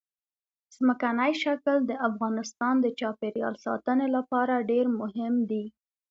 ځمکنی شکل د افغانستان د چاپیریال ساتنې لپاره ډېر مهم دي.